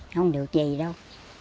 không được gì đâu